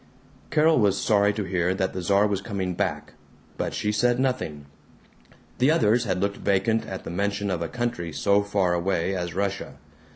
Carol was sorry to hear that the Czar was coming back, but she said nothing. The others had looked vacant at the mention of a country so far away as Russia.